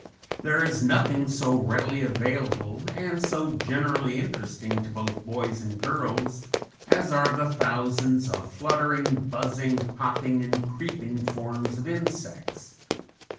There is nothing so readily available and so generally interesting to both boys and girls as are the thousands of fluttering, buzzing, hopping and creeping forms of insects.